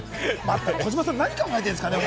児嶋さん、何考えているんですかね。